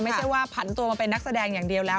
ไม่ใช่ว่าผันตัวมาเป็นนักแสดงอย่างเดียวแล้ว